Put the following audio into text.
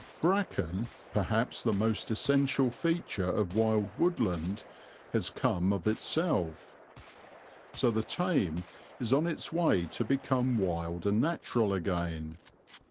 Bracken, perhaps the most essential feature of wild woodland, has come of itself. So the tame is on its way to become wild and natural again.